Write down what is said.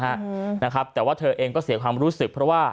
เหมือนคดีกับเธออะไรหรอกนะฮะนะครับแต่ว่าเธอเองก็เสียความรู้สึกเพราะว่า